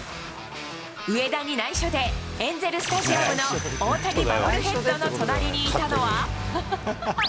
上田にないしょでエンゼルスタジアムの大谷バブルヘッドの隣にいたのは。